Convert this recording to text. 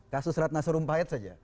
kasus ratna serumpahet saja